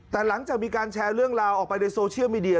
แต่หลังจากมีการแชร์เรื่องราวออกไปในโซเชียลมีเดีย